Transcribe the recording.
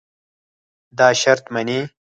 دا شرط منې.